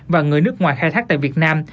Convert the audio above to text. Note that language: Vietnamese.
và người nước ngoài khai thác tại việt nam